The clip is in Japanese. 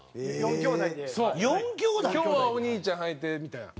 今日はお兄ちゃん履いてみたいな。